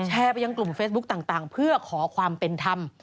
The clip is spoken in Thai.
ไปยังกลุ่มเฟซบุ๊คต่างเพื่อขอความเป็นธรรม